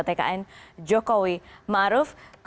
terima kasih bang